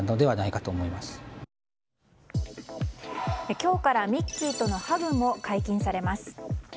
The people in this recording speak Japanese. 今日からミッキーとのハグも解禁されます。